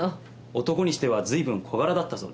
男にしてはずいぶん小柄だったそうです。